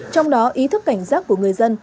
trong đó ý thức cảnh giác của người dân